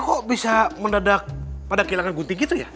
kok bisa mendadak pada kehilangan gunting gitu ya